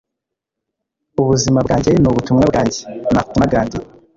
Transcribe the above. ubuzima bwanjye ni ubutumwa bwanjye. - mahatma gandhi